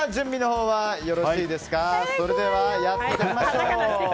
それではやっていただきましょう。